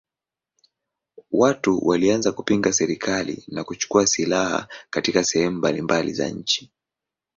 Watu walianza kupinga serikali na kuchukua silaha katika sehemu mbalimbali za nchi.